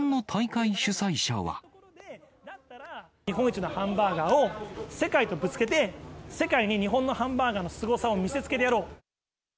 日本一のハンバーガーを世界とぶつけて、世界に日本のハンバーガーのすごさを見せつけてやろう。